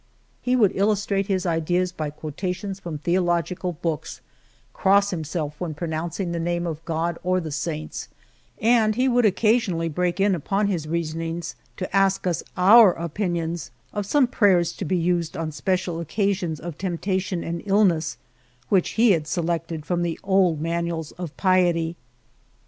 He would illustrate his ideas by quotations from theological books, cross himself when pronouncing the name of God or the saints, and he would occasional ly break in upon his reasonings to ask us our opinions of some prayers to be used on special occasions of temptation and illness which he had selected from the old manuals 159 In the Posada's Courtyard^ Toboso. El Toboso of piety.